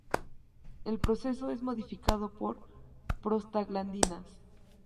El proceso es modificado por prostaglandinas.